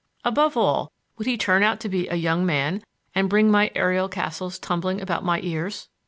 Above all, would he turn out to be a young man, and bring my aerial castles tumbling about my ears?